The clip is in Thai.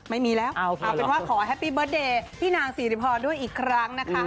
ไม่มีแล้วเอาเป็นว่าขอแฮปปี้เบิร์ตเดย์พี่นางสิริพรด้วยอีกครั้งนะคะ